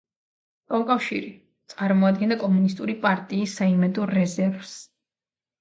კომკავშირი წარმოადგენდა კომუნისტური პარტიის საიმედო რეზერვს.